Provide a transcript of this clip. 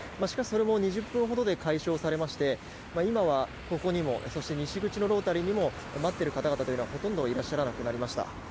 しかし、それも２０分ほどで解消されまして今はここにも西口のロータリーにも待っている方々はほとんどいらっしゃらなくなりました。